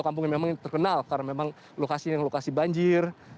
memang terkenal karena memang lokasi lokasi banjir